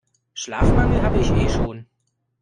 Schlafmangel habe ich eh schon.